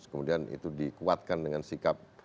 kemudian itu dikuatkan dengan sikap